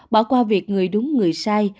bỏ qua việc người đúng người sai